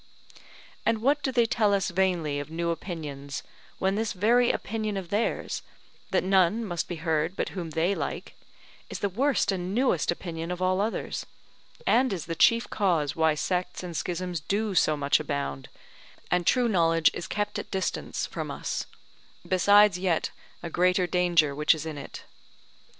And what do they tell us vainly of new opinions, when this very opinion of theirs, that none must be heard but whom they like, is the worst and newest opinion of all others; and is the chief cause why sects and schisms do so much abound, and true knowledge is kept at distance from us; besides yet a greater danger which is in it.